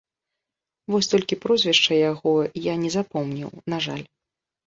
Вось толькі прозвішча яго я не запомніў, на жаль.